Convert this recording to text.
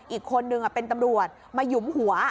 อีกคนนึงเป็นตำรวจมาหยุมหัว